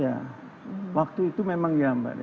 ya waktu itu memang ya mbak desi